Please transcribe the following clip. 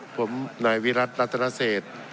ผมหน่วยวิรัติรัฐราชเศส